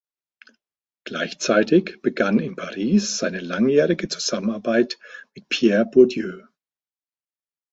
Gleichzeitig begann in Paris seine langjährige Zusammenarbeit mit Pierre Bourdieu.